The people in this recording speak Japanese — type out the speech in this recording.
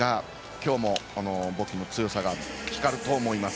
きょうも、ボキの強さが光ると思います。